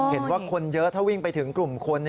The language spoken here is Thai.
เห็นว่าคนเยอะถ้าวิ่งไปถึงกลุ่มคน